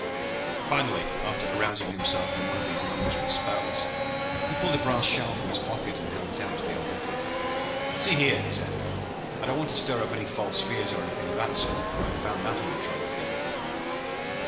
Finally, after arousing himself from one of these momentary spells, he pulled a brass shell from his pocket and held it out to the old Indian. "See here," he said. "I don't want to stir up any false fears, or anything of that sort but I found that on the trail to day!"